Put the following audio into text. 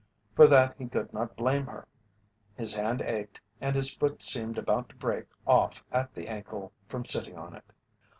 For that he could not blame her. His hand ached and his foot seemed about to break off at the ankle from sitting on it.